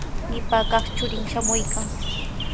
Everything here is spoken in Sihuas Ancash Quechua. Qipa kaq churin shamuykan.